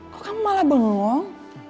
kok kamu malah bengong